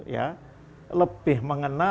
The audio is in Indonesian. ya lebih mengena